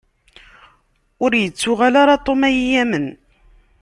Ur ittuɣal ara Tom ad yi-yamen.